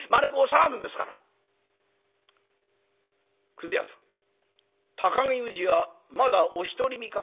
「くず屋さん高木氏はまだお独り身か？